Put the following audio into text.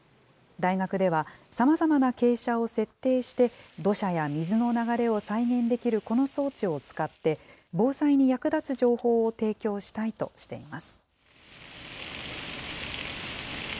大学では、さまざまな傾斜を設定して、土砂や水の流れを再現できるこの装置を使って、防災に役立つ情報を提供したいとしています。